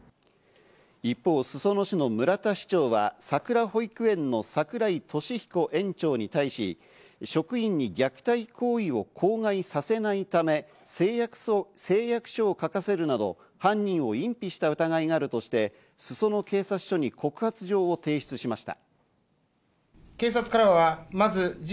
一方、裾野市の村田市長はさくら保育園の櫻井利彦園長に対し、職員に虐待行為を口外させないため、誓約書を書かせるなど、犯人を隠避した疑いがあるとして、裾野警察署に告発状を提出しました。